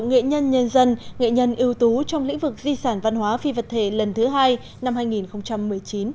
nghệ nhân nhân dân nghệ nhân ưu tú trong lĩnh vực di sản văn hóa phi vật thể lần thứ hai năm hai nghìn một mươi chín